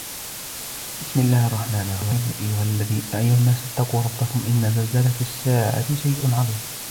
بِسْمِ اللَّهِ الرَّحْمَنِ الرَّحِيمِ يَا أَيُّهَا النَّاسُ اتَّقُوا رَبَّكُمْ إِنَّ زَلْزَلَةَ السَّاعَةِ شَيْءٌ عَظِيمٌ